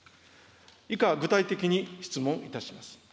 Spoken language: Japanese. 以下、具体的に質問いたします。